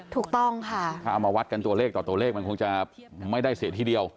ถูกต้องค่ะถ้าเอามาวัดกันตัวเลขต่อตัวเลขมันคงจะไม่ได้เสียทีเดียว